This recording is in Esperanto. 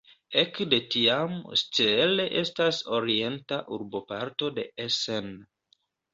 Ekde tiam Steele estas orienta urboparto de Essen.